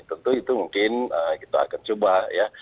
tentu itu mungkin kita akan coba ya